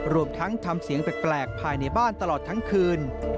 รวมทั้งทำเสียงแปลกภายในบ้านตลอดทั้งคืน